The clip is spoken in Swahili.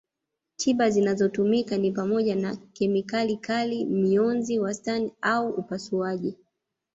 Tiba zinazotumika ni pamoja na kemikali kali mionzi wastani au upasuaji